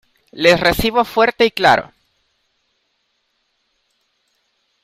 Les recibo fuerte y claro.